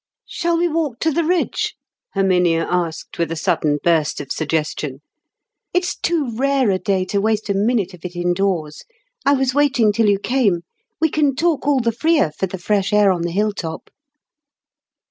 "Shall we walk to the ridge?" Herminia asked with a sudden burst of suggestion. "It's too rare a day to waste a minute of it indoors. I was waiting till you came. We can talk all the freer for the fresh air on the hilltop."